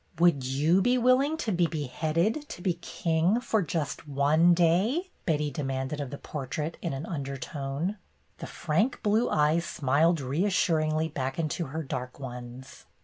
'' ''Would you be willing to be beheaded to be king for just one day?" Betty demanded of the portrait, in an undertone. The frank blue eyes smiled reassuringly back into her dark ones.